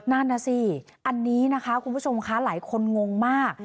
นั่นน่ะสิอันนี้นะคะคุณผู้ชมคะหลายคนงงมาก